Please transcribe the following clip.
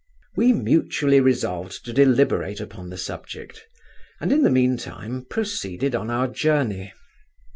We mutually resolved to deliberate upon the subject, and, in the mean time, proceeded on our journey.